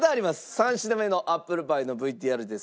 ３品目のアップルパイのＶＴＲです。